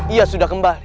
ia sudah kembali